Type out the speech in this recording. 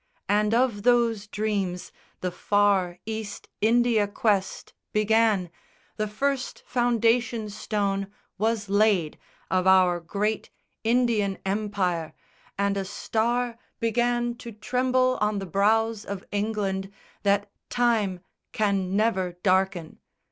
And of those dreams the far East India quest Began: the first foundation stone was laid Of our great Indian Empire, and a star Began to tremble on the brows of England That time can never darken.